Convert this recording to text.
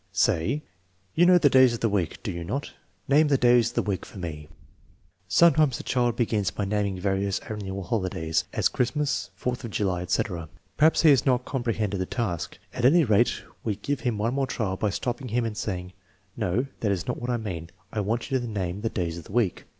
Say: "You 'know the days of the week, do you not ? Name the days of the week for me." Sometimes the child begins by naming various amiual holidays, as Christ mas, Fourth of July, etc. Perhaps he has not comprehended the task; at any rate, we give him one more trial by stop ping him and saying: "No; that is not what I mean. I want you to name the days of the week."